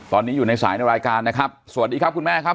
ตอนนี้อยู่ในสายในรายการนะครับสวัสดีครับคุณแม่ครับ